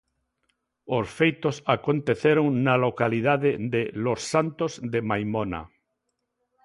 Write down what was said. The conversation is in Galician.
Os feitos aconteceron na localidade de Los Santos de Maimona.